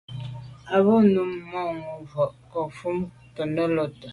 A be num manwù mars bo avril mban to’ nelo.